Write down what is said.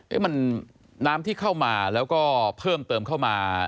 น้ำที่เข้ามาแล้วก็เพิ่มเติมเข้ามา